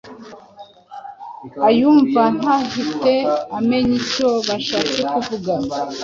ayumva ntahite amenya icyo bashatse kuvuga.